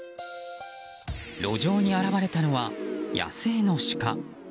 路上に現れたのは野生のシカ。